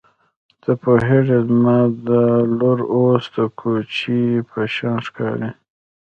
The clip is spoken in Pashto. ته پوهېږې زما دا لور اوس د کوچۍ په شان ښکاري.